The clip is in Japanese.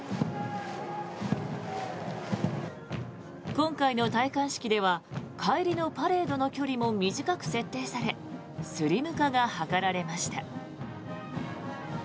今回の戴冠式では帰りのパレードの距離も短く設定されスリム化が図られました。